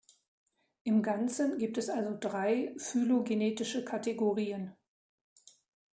Im Ganzen gibt es also drei phylogenetische Kategorien.